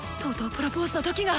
プロポーズの時が！